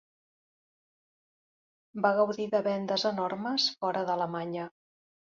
Va gaudir de ventes enormes fora d'Alemanya.